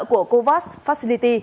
của covax facility